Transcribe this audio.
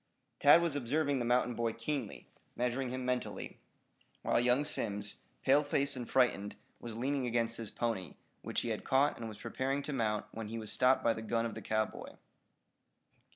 Tad was observing the mountain boy keenly, measuring him mentally, while young Simms, pale faced and frightened, was leaning against his pony, which he had caught and was preparing to mount when he was stopped by the gun of the cowboy.